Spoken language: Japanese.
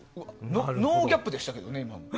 ノーギャップでしたけどね。